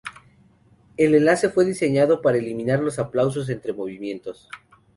El enlace fue diseñado para eliminar los aplausos entre movimientos.